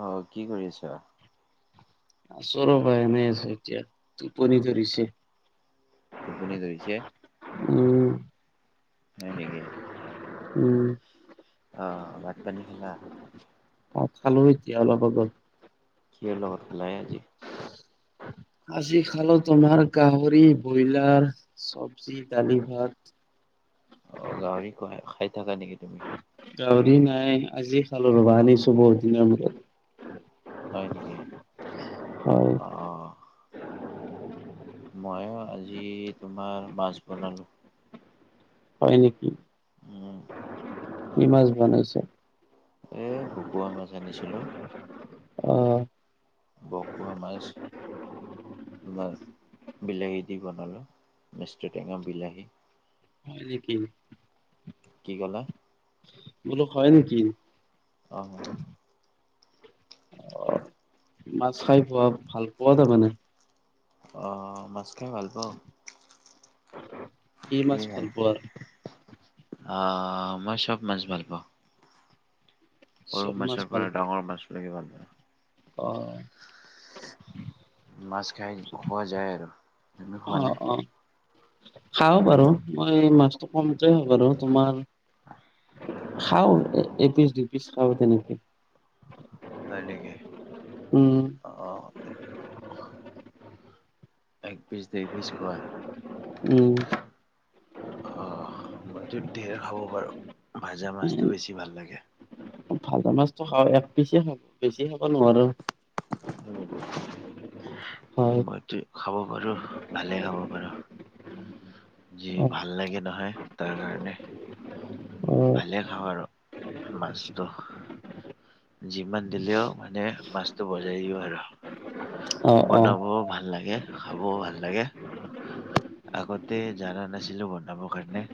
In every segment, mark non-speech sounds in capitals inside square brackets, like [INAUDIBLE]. অ কি কৰি আছ? আছো ৰ'বা এনেই আছো এতিয়া, টোপনি ধৰিছে। টোপনি ধৰিছে? উম। হয় নেকি? উম। অ, ভাত পানী খালা? অ খালো এতিয়া অলপ আগত। কিহৰ লগত খালাহে আজি? আজি খালো তোমাৰ গাহৰি, ব্ৰইলাৰ, চব্জি, দালি, ভাত। অ গাহৰি খুৱাই খাই থাকা নেকি তুমি? গাহৰি নাই। আজি খালো ৰবা, আনিছো বহুত দিনৰ মূৰত। হয় নেকি? হয় অ। মই আজি তোমাৰ মাছ বনালো। হয় নেকি? উম। কি মাছ বনাইছ? এ ভকুৱা মাছ আনিছিলো। অ। ভকোৱা মাছ তোমাৰ বিলাহী দি বনালোঁ, মিষ্টি টেঙা বিলাহী। হয় নেকি? কি ক'লা? বোলো হয় নেকি? অ। মাছ খাই পোৱা ভাল পোৱা তাৰ মানে। আহ মাছ খাই ভাল পাওঁ। কি মাছ ভাল পোৱা আহ মই চব মাছ ভাল পাওঁ। সৰু চব মাছ মাছৰ পৰা ভাল পোৱা ডাঙৰ মাছ লৈকে ভাল পাওঁ। অ। মাছ খাই খোৱা যায় আৰু। তুমি খোৱা অ নে? অ খাওঁ বাৰু। মই মাছটো কমতে হয় বাৰু তোমাৰ, খাওঁ, এপিচ দুপিচ খাওঁ তেনেকে। হয় নেকি? উম। অঁ। এক পিচ, দেই পিচ খোৱা? উম। অ মইতো ঢেৰ খাব পাৰো। ভাজা এ, মাছতটো বেছি ভাল লাগে। ভাজা মাছটো খাওঁ এক পিচ খাব বেছি খাব নোৱাৰো। অ হয় মইটো খাব পাৰো, ভালে খাব পাৰো। যিয়ে অ ভাল লাগে নহয়, তাৰ কাৰণে। অ ভালে খাওঁ আৰু মাছটো। যিমান দিলেও মানে মাছটো বজাই দিওঁ আৰু। অ অ বনাবও ভাল লাগে খাবও ভাল লাগে। আগতে জানা নাছিলিলো বনাব কাৰনে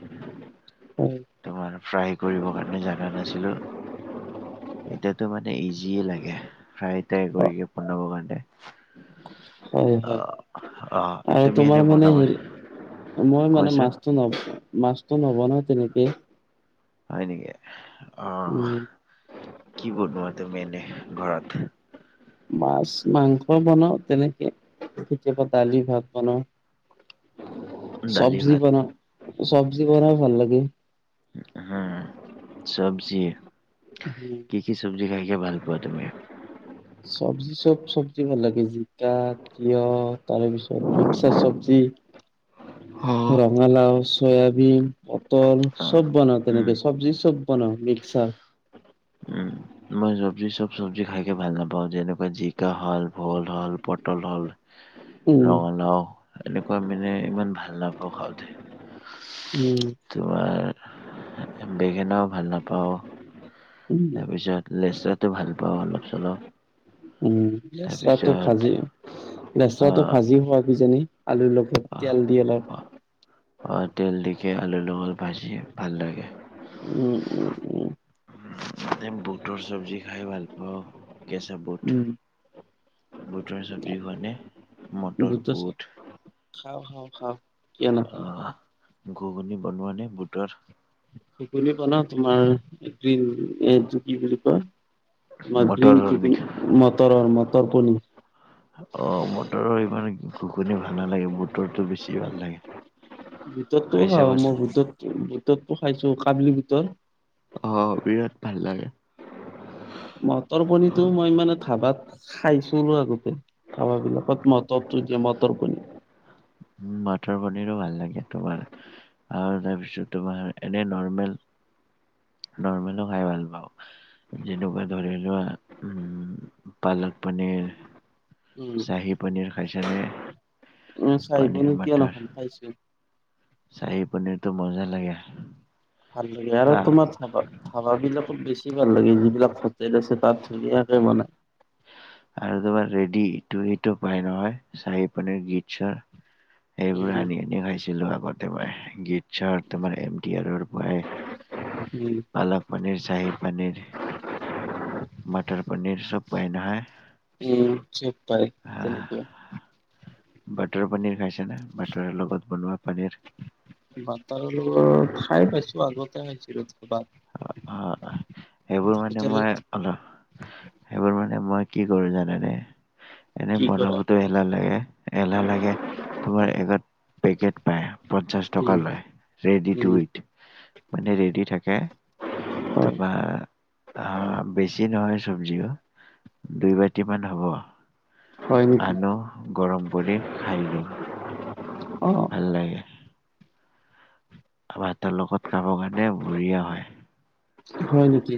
হয় তোমাৰ ফ্ৰাই কৰিবৰ কাৰণে জানা নাছিলোঁ। এতিতো মানে ইজিয় লাগে ফ্ৰাই ট্ৰাই অ, কৰিকে বনাব কাৰণে। হয় হয় অ', অ'। আৰু তুমি তোমাৰ এনে মানে বনাবা হেৰি মই মানে কোৱাচোন মাছতো ন মাছতো নব নাবনাও তেনেকে। হয় নেকি অ', উম কি বনো তুমি এনে ঘৰত? মাছ মাংস বনাওঁ তেনেকে কেতিয়াবা দালি ভাত বনাওঁ। দালি চব্জি ভাত বনা চব্জি বনাই ভাল লাগে। উম চব্জি উম, কি কি চব্জি খাইক ভাল পোৱাা তুমি চব্জি চব চব্জি ভাল লাগে জিকা তিয়হ তাৰপিছত মিক্স চব্জি ৰঙালাও চয়াবিন পটল অ', চব বনাও উম, তেনেকে চব্জি চব বনাও মিক্সাৰ। উম। মই চব্জি চব চব্জি খাইকে ভাল নাপাওঁ যেনেকুৱা জিকা হ'ল ভোল হ'ল পটল হ'ল উম, ৰঙালাও এনেকুৱা মানে ইমান ভাল নাপাওঁ খাওঁতে। উম, তোমাৰ বেঙেনাও ভাল নাপাওঁ। উম, তাৰপিছত লেচাৰটো ভাল পাওঁ অলপ চলপ উম, লেচৰাটো তাৰপিছত ভাজি লেচৰা টো অ', ভাজি হোৱা কিজানি আলুৰ লগত। অ', তেল দি অলপ অ'। অ', তেল দিকে আলুৰ লগত ভাজি ভাল লাগে। উম উম। উম, বুটৰ চব্জি খাই ভাল পাওঁ কেঁচা বুট উম, বুটৰ চব্জি ভ বুটৰ চব্জি আছে খাও, খাও, খাও। ঘূগনি বনোৱা নে বুটৰ। ঘূগুনী বনাও তোমাৰ গ্ৰীণ এ কি বুলি কয়। মাৰ ডিম মটৰৰ খু নেকি? মটৰ মটৰ পনীৰ অ', মটৰৰ ইমান ঘুগুনি ভাল নালাগে বুটৰটো বেছি ভাল লাগে। বুটৰতো খাই খাওঁ চাবাচোন মই বুতত বুততো খাইছোঁ কাবলি বুটৰ অ', বিৰাট ভাল লাগে। মটৰ পনীৰটো মই মানে ধাবাত খাইছিলোঁ আগতে ধাবাবিলাকত মটৰটো দিয়ে মটৰ পনীৰ। উ মটৰ পনীৰো ভাল লাগে তোমাৰ আৰু তাৰপিছত তোমাৰ এনে নৰ্মেল নৰ্মেলো খাই ভাল পাওঁ। যেনেকুৱা ধৰি লোৱা পালক পনীৰ উম চাহি পনীৰ খাইছা নে? [UNINTELLIGIBLE] ন খাইছোঁ। শ্বাহী পনীৰটো মজা লাগে। আ হা তোমাৰ ধাবা ধাবাবিলাকত বেছি ভাল লাগে যিবিলাক হোটেল আছে তাত ধুনীয়াকে বনায়। আৰু তোমাৰ ৰেডি ইটো সিটো পাই নহয় চাহী পানীৰ গীতচৰ। এইেইবোৰ উম আনি আনি খাইছিলো আগতে মই গীত চাৰ ত তোমাৰ এম টি আৰৰ পৰাই উম পালক পনীৰ শাহী পনীৰ মটৰ পনীৰ চব পাই নহয় উম চব পাৰে তেনেকুৱা বটৰ পনিৰ খাইছে ন বাটাৰ লগত বনোৱা পনীৰ বাটাৰ খাই পাইছো আগতে নছিলো [UNINTELLIGIBLE] অ সেইবোৰ মানে মই অল সেইবোৰ মানে মই কি কৰো জানোনে এনে কি কৰা বনাবতো এলা লাগে এলাহ লাগে তোমাৰ এগত পেকেট পায় পঞ্চাশ টকা উম লয় ৰেডি টু উম উইট মানে ৰেডি থাকে হয় তাপা বেছি নহয় চব্জিও দুই বাটি মান হব হয় নেকি আনো গৰম কৰি খাই লো অ ভাল লাগে ভাতৰ লগত খাব কাৰণে বঢ়িয়া হয় হয় নেকি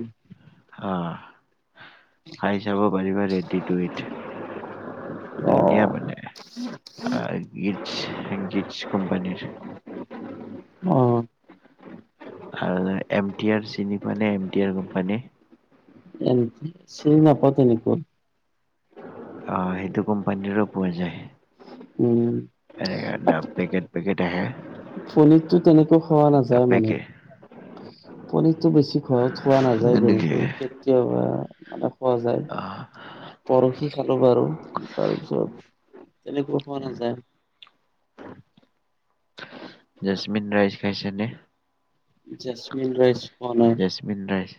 হা খাই চাব পাৰিবা ৰেড্ডি টো ইত অ ধুনীয়া মানে আহ গীটছ গীটছ কোম্পানীৰ অ আৰু এম টি আৰ চিনিৱা নে M T R company M T চিনি নাপাও তেনেকৈ হ সেইটো কোম্পানীটোট পোৱা যায় উম এনেক দাম পেকেট পেকেট আহে পনিৰতো তেনেকৈ খোৱা নাযায় মানে পেকেট পনিৰতটো বেছি ঘৰত খোৱা নাযায় এনেকে তেনেকে কেতিয়াবা মানে খোৱা যায় অ পৰহি খালো বাৰু তাৰপিছত তেনেকুৱ হোৱা নাযায় জেচমিন ৰাইচ খাইছা নে জেচমিন ৰাইচ পোৱা নাই জেচমিন ৰাইচ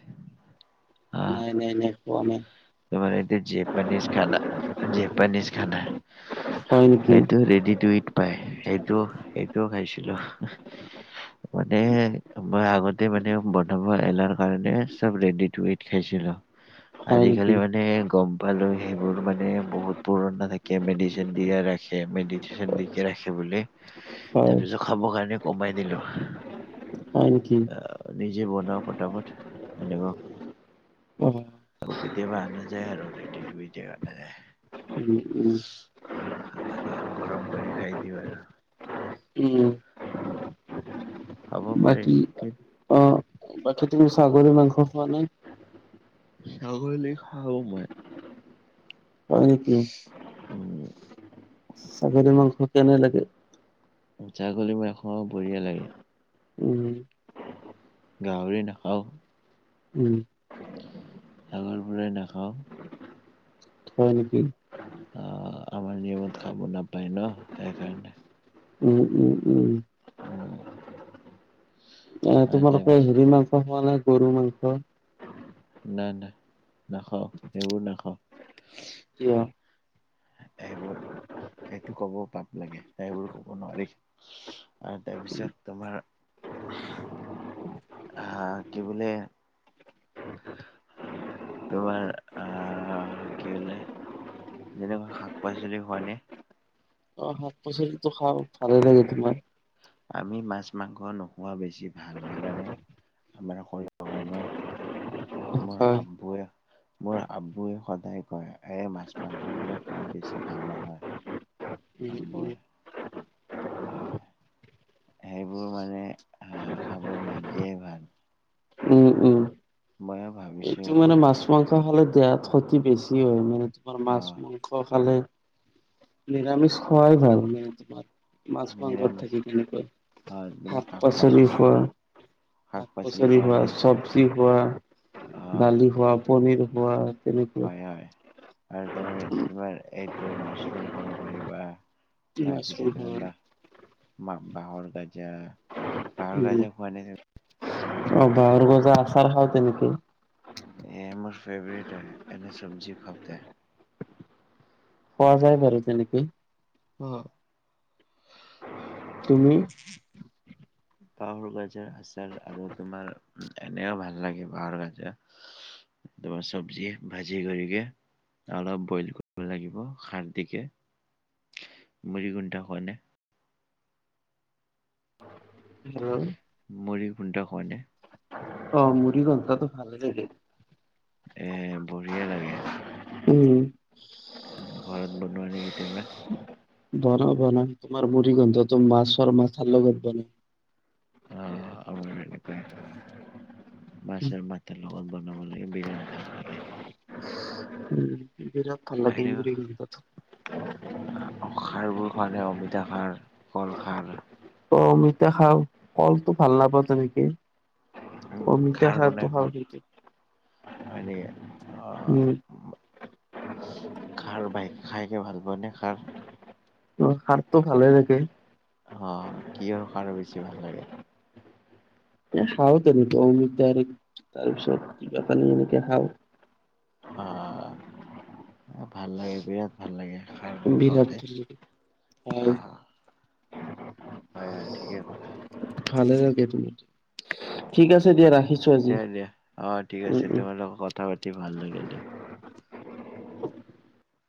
অ নাই নাই নাই [UNINTELLIGIBLE] তোমাৰ ইতিয়া জেপানিজ খানা জেপানিজ খানা হয় নেকি? এইটো ৰেডি টু ইট পাই সটোও সেইটোও খাইছিলো মানে মই আগতে মানে বনাব এলাৰ কাৰণে চব ৰেডি টুইড খাইছিলো হয় আজিকালি নেকি মানে গম পালো সেইবোৰ মানে বহুত পুৰণা থাকে মেডিচিন দিয়া ৰাখে মেডিচিন দি কে ৰাখে বুলে হয় তাৰপিছত খাব কাৰণে কমাই দিলো হয় নেকি নিজে বনাৱা পটাপত সেনেকুৱা অ'। আৰু কেতিয়াবা আনা যায় আৰু ৰেডিটুইডে আনা যায় উম উম গৰম কৰি খাই দিব আৰু উম খাব পাৰি কি বাকি তুমি ছাগলি মাংস খোৱা নাই ছাগলী খাও মই। হয় নেকি? উম ছাগলী মাংস কেনে লাগে? ছাগলী মোৰ এশ বঢ়িয়া লাগে। উম। গাহৰি নাখাওঁ। উম। আাগৰ পৰাই নাখাওঁ। হয় নেকি? অঁ, আমাৰ নিয়মত খাব নাপায় ন, সেইকাৰণে। উম, উম, উম। এ অ তোমালোকে তাৰপিছত হেৰি মাংস খোৱা নাই গৰু মাংস? নাই নাই, নাখাও সেইবোৰ নাখাওঁ। কিয়? এইবোৰ এইটো ক'ব পাপ লাগে, এইবোৰ ক'ব নোৱাৰি। আৰু তাৰপিছত তোমাৰ হা, কি বোলে? তোমাৰ আহ কি বোলে যেনেকুৱা শাক-পাচলি খোৱা নে? শাক-পাচলিটো খাওঁ ভালে লাগে তোমাৰ। আমি মাছ-মাংস নোখোৱা বেছি ভাল, জানানে? আমাৰ শৰীৰৰ কাৰণে মোৰ হয় আব্বুয়ে মোৰ আব্বুয়ে সদায় কয়, এই মাছ-মাংস বোলে খোৱা বেছি ভাল নহয়। উম, উম। হয়, সেইবোৰ মানে খাব বাদ দিয়াই ভাল। উম, উম। মইয়ো ভাবি এইটো মানে মাছ-মাংস খালে গাত শক্তি বেছি হয় মানে, তোমাৰ আহ মাছ-মাং খালে নিৰামিষ খোৱাই ভাল মানে তোমাৰ। মাছ-মাংসত নিৰামিষ থাকি তেনেকৈ আহ তুমি শাক শাক-পাচলি পাচলি খোৱা শাক পাচলি শাক-পাচলি খোৱা, নে চব্জি খোৱা, অ দালি খোৱা, পনিৰ খোৱা, তেনেকুৱা হয়, হয় আৰু তমি-তোমাৰ এইটো মাছৰুম খাব পাৰিবা। তাৰ পিছত মাছৰুম খোৱা তুমি বাহ-বাঁহৰ-গাজা, বাঁহৰ-গাজা উম খোৱা নে? অ, বাঁহৰ-গাজা আচাৰ খাওঁ তেনেকৈ। এই, মোৰ ফেভৰেট হয় এনে চবজি খাওতে। খোৱা যায় বাৰু তেনেকেই অঁ, তুমি? বাঁহৰ-গাজাৰ আছাৰ, আৰু তোমাৰ এনেও ভাল লাগে বাঁহৰ-গাজা। তোমাৰ চব্জি ভাজি কৰিকে। অলপ বইল কৰিব লাগিব, খাৰ দিকে। মূৰী গণ্ডা খোৱা নে? [UNINTELLIGIBLE] মূৰি গণ্ডা খোৱা নে? অঁ, মূৰি গণ্ডাটো ভালে লাগে। এ বঢ়িয়া লাগে। উম। আমি ঘৰত বনোৱা যে কেতিয়াবা বনাও বনাও তোমাৰ মুৰি গঞ্জাটো মাছৰ মাথাৰ লগত বনাও। অ আমাৰ এনেকুৱাই উম মাছৰ মাথাৰ লগত বনাব লাগে বিৰাট ভাল লাগে। উম বিৰাট এনে ভাল লাগে [INAUDIBLE] টো খাৰবোৰ খোৱা নাই অমিতা খাৰ কল খাৰ? ত অমিতা খাৰ কলটো ভাল নাপাওঁ তেনেকে। অমিতা খাৰ খাৰটো বনাই খাওঁ ঘৰত? কিন্তু হয় নেকি উম অ। খাৰ বাই খাইকে ভাল পোৱা নে খাৰ? অ খাৰটো ভালে লাগে। অ কিহৰ খাৰ বেছি ভাল লাগে? এ খাওঁ তেনেকে অমিতাৰ তাৰপিছত জাপানি এনেকে খাওঁ। অ ভাল লাগে বিৰাট ভাল লাগে খাৰবোৰ বিৰাট খাওঁতে ভাল লাগে হয় অ। হয় হয় ঠিকে কলা। ভালে লাগে তুমি, ঠিক আছে দিয়া ৰাখিছো। আজি দিয়া দিয়া অ ঠিক উম আছে উম তোমাৰ লগত কথা পাতি ভাল লাগিল দিয়া।